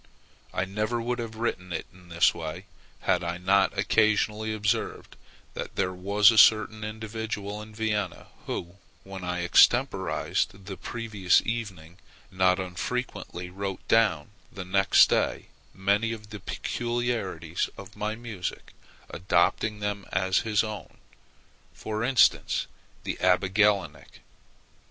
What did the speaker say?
I never would have written it in this way, had I not occasionally observed that there was a certain individual in Vienna who, when I extemporized the previous evening, not unfrequently wrote down next day many of the peculiarities of my music, adopting them as his own [for instance, the Abbé Gelinek].